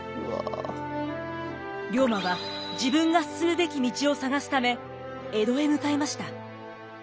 龍馬は自分が進むべき道を探すため江戸へ向かいました。